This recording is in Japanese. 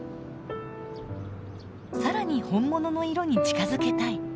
更に本物の色に近づけたい。